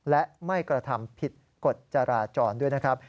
และไม่กระทำผิดกฎจราจรด้วยนะครับ